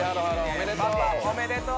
おめでとう！